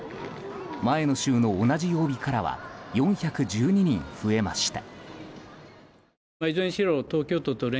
前の週の同じ曜日からは４１２人増えました。